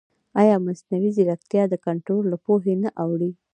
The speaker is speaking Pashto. ایا مصنوعي ځیرکتیا د کنټرول له پولې نه اوړي؟